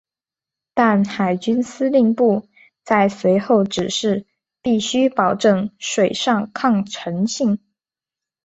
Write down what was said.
但海军司令部在随后指示必须保证水上抗沉性。